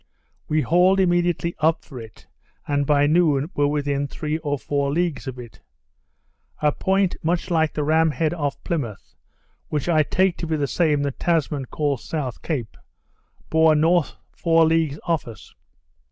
We hauled immediately up for it, and by noon were within three or four leagues of it. A point much like the Ramhead off Plymouth, which I take to be the same that Tasman calls South Cape, bore north four leagues off us.